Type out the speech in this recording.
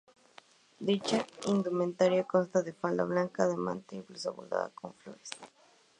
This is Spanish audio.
Dicha indumentaria consta de falda blanca de manta y blusa bordada con flores.